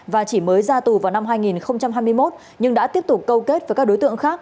và chỉ mới ra tù vào năm hai nghìn hai mươi một nhưng đã tiếp tục câu kết với các đối tượng khác